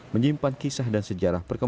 menyimpan kisah dan sejarah perkembangan